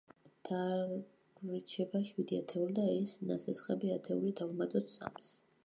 დაგვრჩება შვიდი ათეული და ეს ნასესხები ათეული დავუმატოთ სამს.